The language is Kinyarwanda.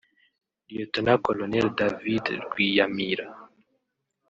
Lt Col David Rwiyamira